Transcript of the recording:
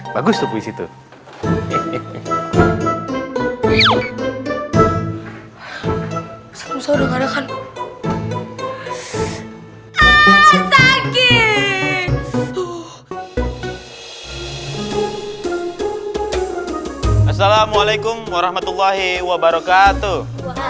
waalaikumsalam warahmatullahi wabarakatuh